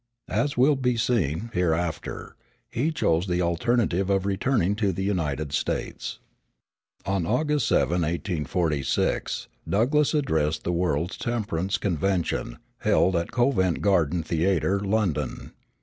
As will be seen hereafter, he chose the alternative of returning to the United States. On August 7, 1846, Douglass addressed the World's Temperance Convention, held at Covent Garden Theatre, London.